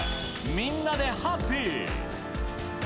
みんなでハッピー。